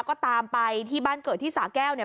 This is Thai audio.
ก็ตามไปที่บ้านเกิดที่สาแก้วเนี่ย